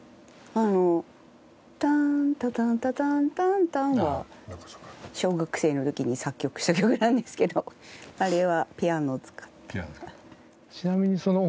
「ターンタタンタタンタンタン」は小学生の時に作曲した曲なんですけどあれはピアノを使って。